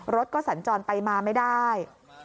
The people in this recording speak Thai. รถก็สัญจรไปมาไม่ได้